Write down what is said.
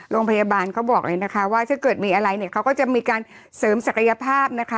โรงพยาบาลเขาบอกเลยนะคะว่าถ้าเกิดมีอะไรเนี่ยเขาก็จะมีการเสริมศักยภาพนะคะ